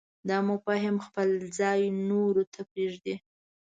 دا مفاهیم خپل ځای نورو ته پرېږدي.